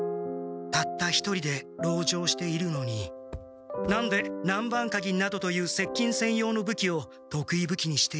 たった一人で籠城しているのに何で南蛮鉤などというせっきんせん用の武器をとくい武器にしているんだ？